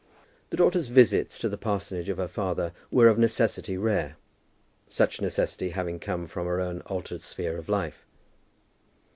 The daughter's visits to the parsonage of her father were of necessity rare, such necessity having come from her own altered sphere of life.